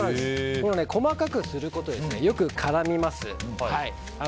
細かくすることでよく絡みます。